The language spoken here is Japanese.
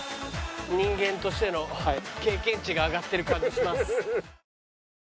人間としての経験値が上がってる感じします。